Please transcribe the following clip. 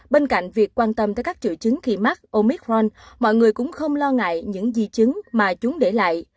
bên cạnh việc quan tâm tới các triệu chứng khi mắc omic ron mọi người cũng không lo ngại những di chứng mà chúng để lại